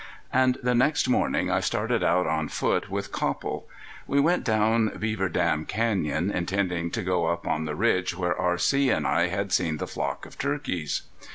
And the next morning I started out on foot with Copple. We went down Beaver Dam Canyon intending to go up on the ridge where R.C. and I had seen the flock of turkeys.